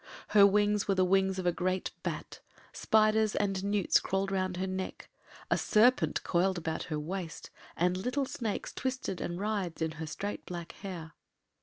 Her wings were the wings of a great bat; spiders and newts crawled round her neck; a serpent coiled about her waist and little snakes twisted and writhed in her straight black hair.